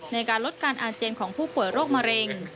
ในการลดการอาเจียนของผู้ป่วยโรคมะเร็ง